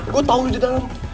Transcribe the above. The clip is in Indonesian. gue tau lo di dalam